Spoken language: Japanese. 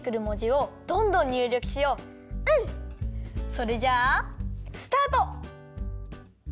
それじゃあスタート！